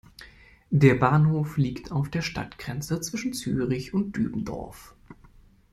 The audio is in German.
Der Bahnhof liegt auf der Stadtgrenze zwischen Zürich und Dübendorf.